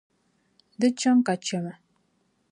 Di chaŋ ka chɛma.